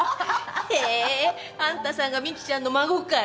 へぇあんたさんがミキちゃんの孫かい。